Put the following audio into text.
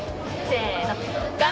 せの。